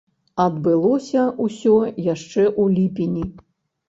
Адбылося ўсё яшчэ ў ліпені.